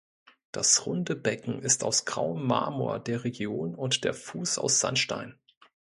Das runde Becken ist aus grauem Marmor der Region und der Fuß aus Sandstein.